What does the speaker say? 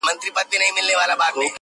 پټیږي که امي دی که مُلا په کرنتین کي٫